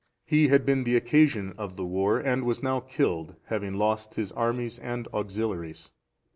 He had been the occasion of the war, and was now killed, having lost his army and auxiliaries.